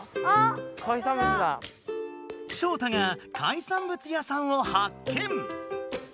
ショウタが海産物屋さんをハッケン！